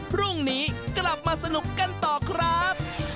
พรุ่งนี้กลับมาสนุกกันต่อครับ